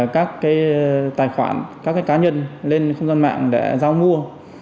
các cái tài khoản các cái cá nhân lên không gian mạng để giao mua